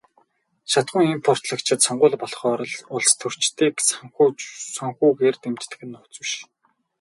Шатахуун импортлогчид сонгууль болохоор л улстөрчдийг санхүүгээр дэмждэг нь нууц биш.